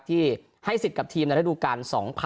ที่ให้สิทธิ์กับทีมในระดูการ๒๐๑๖